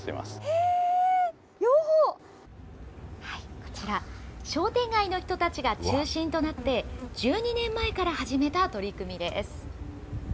こちら、商店街の人たちが中心となって、１２年前から始めた取り組みです。